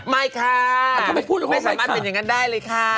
ไม่ค่ะถ้าไม่พูดไม่สามารถเป็นอย่างนั้นได้เลยค่ะ